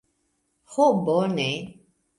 Ho, bone.